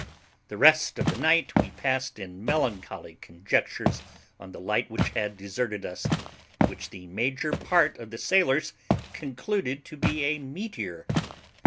The rest of the night we passed in melancholy conjectures on the light which had deserted us, which the major part of the sailors concluded to be a meteor.